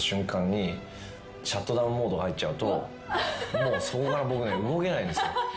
もうそこから僕ね動けないんですよ。